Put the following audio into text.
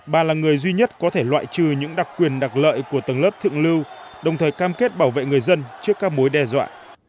bà là người duy nhất có thể loại trừ những đặc quyền đặc lợi của tầng lớp thượng lưu đồng thời cam kết bảo vệ người dân trước các mối đe dọa